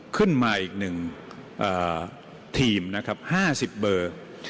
ขึ้นมาอีก๑ทีมนะครับ๕๐เบอร์